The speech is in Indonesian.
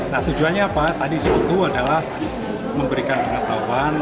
nah tujuannya apa tadi sebetulnya adalah memberikan pengetahuan